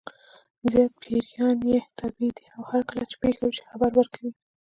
زیات پیریان یې تابع دي او هرکله چې پېښه وشي خبر ورکوي.